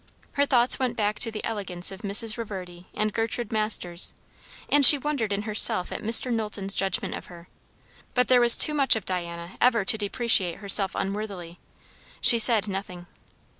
Her thoughts went back to the elegance of Mrs. Reverdy and Gertrude Masters, and she wondered in herself at Mr. Knowlton's judgment of her; but there was too much of Diana ever to depreciate herself unworthily. She said nothing.